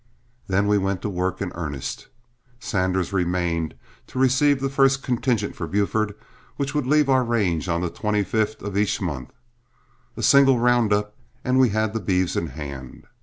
Then we went to work in earnest. Sanders remained to receive the first contingent for Buford, which would leave our range on the 25th of each month. A single round up and we had the beeves in hand.